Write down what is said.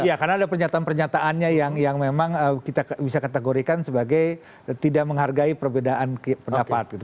iya karena ada pernyataan pernyataannya yang memang kita bisa kategorikan sebagai tidak menghargai perbedaan pendapat gitu